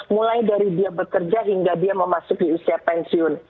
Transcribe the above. mulai dari dia bekerja hingga dia memasuki usia pensiun